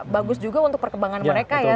bagus juga untuk perkembangan mereka ya